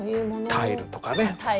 タイルとかね。